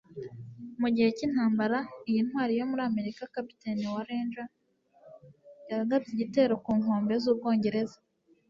Mugihe cyintambara iyi ntwari yo muri Amerika capitaine wa Ranger yagabye igitero ku nkombe zUbwongereza